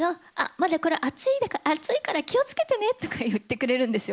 まだこれ、熱いから気をつけてねとか言ってくれるんですよ。